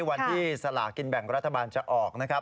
วันที่สลากินแบ่งรัฐบาลจะออกนะครับ